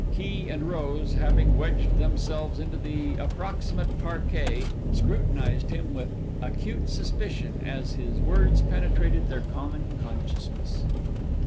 Key and Rose, having wedged themselves into the approximate parquet, scrutinized him with acute suspicion, as his words penetrated their common consciousness.